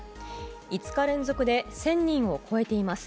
５日連続で１０００人を超えています。